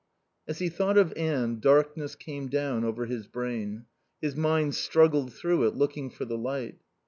As he thought of Anne darkness came down over his brain. His mind struggled through it, looking for the light.